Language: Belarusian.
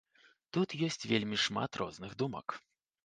Тут ёсць вельмі шмат розных думак.